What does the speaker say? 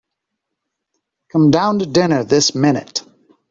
Come down to dinner this minute.